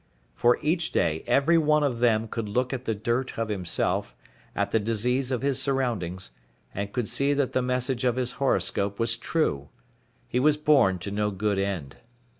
For each day every one of them could look at the dirt of himself, at the disease of his surroundings, and could see that the message of his horoscope was true: he was born to no good end.